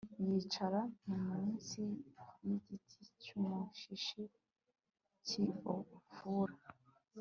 yicara mu nsi y'igiti cy'umushishi cy'i ofura